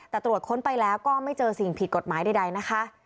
แต่ตรวจค้นไปแล้วก็ไม่เจอสิ่งผิดกฎหมายใดนะคะ